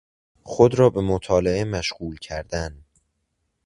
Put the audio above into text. خود را به مطالعه مشغول کردن